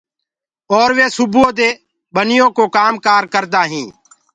اور وي سُبوئو دي هي ٻنيو ڪو ڪآم ڪآر ڪردآ هينٚ